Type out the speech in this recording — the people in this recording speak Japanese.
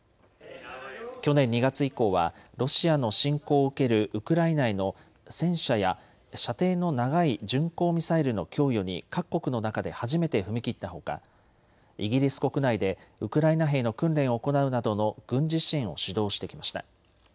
去年２月以降はロシアの侵攻を受けるウクライナへの戦車や射程の長い巡航ミサイルの供与に各国の中で初めて踏み切ったほかイギリス国内でウクライナ兵の訓練を行うなどの軍事支援を主導してきました。